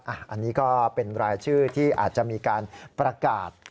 อันนี้ก็เป็นรายชื่อที่อาจจะมีการประกาศ